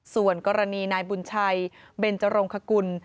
ส่วนกรณีนายบุญชัยเบนจรงคกุล